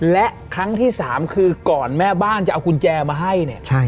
และครั้งที่๓คือก่อนแม่บ้านจะเอากุญแจมาให้เนี่ย